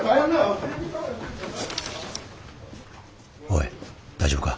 おい大丈夫か？